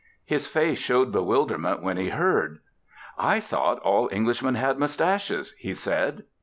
His face showed bewilderment when he heard. "I thought all Englishmen had moustaches," he said.